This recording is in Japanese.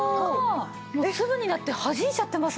粒になってはじいちゃってます